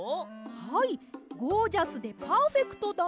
はいゴージャスでパーフェクトだって。